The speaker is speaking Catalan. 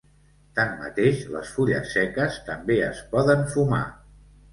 Tanmateix, les fulles seques també es poden fumar.